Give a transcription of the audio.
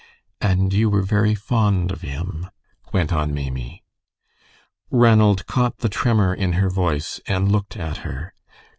"And you were very fond of him?" went on Maimie. Ranald caught the tremor in her voice and looked at her.